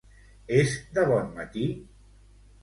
És de bon matí?